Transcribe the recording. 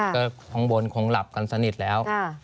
ก็ข้างบนคงหลับกันสนิทแล้ว